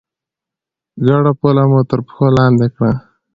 ګډه پوله مو تر پښو لاندې کړه.